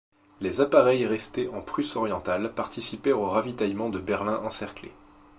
Les appareils restés en Prusse-Orientale participèrent au ravitaillement de Berlin encerclé.